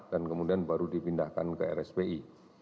dan kemudian baru dipindahkan ke rspi